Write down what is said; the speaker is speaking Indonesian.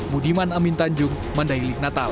budiman amin tanjung mandai lik natal